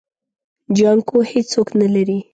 جانکو هيڅوک نه لري.